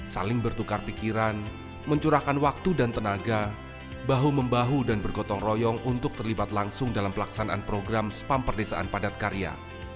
saling bertukar pikiran mencurahkan waktu dan tenaga bahu membahu dan bergotong royong untuk terlibat langsung dalam pelaksanaan program spam perdesaan padat karya